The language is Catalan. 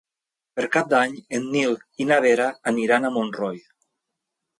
Per Cap d'Any en Nil i na Vera aniran a Montroi.